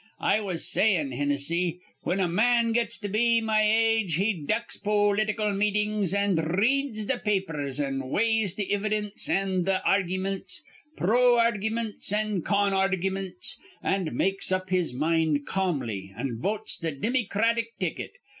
I was sayin', Hinnissy, whin a man gets to be my age, he ducks pol itical meetin's, an' r reads th' papers an' weighs th' ividence an' th' argymints, pro argymints an' con argymints, an' makes up his mind ca'mly, an' votes th' Dimmycratic ticket.